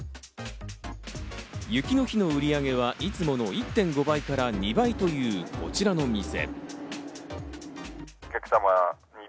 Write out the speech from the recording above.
雪の日の売り上げは、いつもの１．５倍から２倍というこちらの店。